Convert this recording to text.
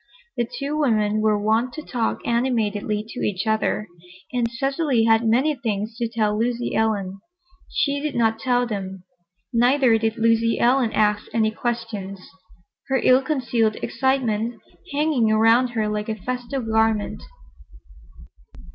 The two women were wont to talk animatedly to each other, and Cecily had many things to tell Lucy Ellen. She did not tell them. Neither did Lucy Ellen ask any questions, her ill concealed excitement hanging around her like a festal garment.